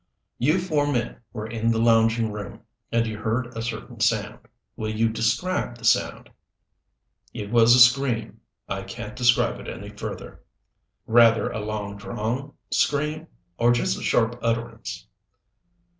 "You four men were in the lounging room and you heard a certain sound. Will you describe the sound?" "It was a scream I can't describe it any further." "Rather a long drawn scream, or just a sharp utterance?"